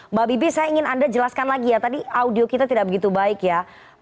mbak bibi saya ingin anda jelaskan lagi ya tadi audio kita tidak begitu baik ya